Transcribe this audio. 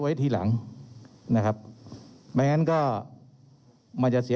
เรามีการปิดบันทึกจับกลุ่มเขาหรือหลังเกิดเหตุแล้วเนี่ย